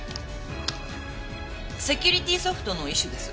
セキュリティーソフトの一種です。